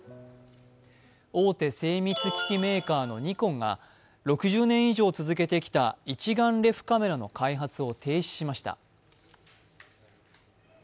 大手精密機器メーカーのニコンが６０年以上続けてきた一眼レフカメラの開発を停止しました。